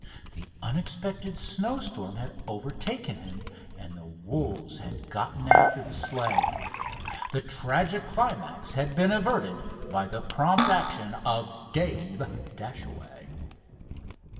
The unexpected snowstorm had overtaken him, and the wolves had gotten after the sleigh. The tragic climax had been averted by the prompt action of Dave Dashaway.